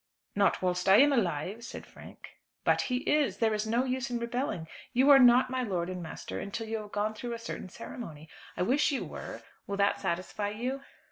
"Not whilst I am alive," said Frank. "But he is. There is no use in rebelling. You are not my lord and master until you have gone through a certain ceremony. I wish you were. Will that satisfy you?"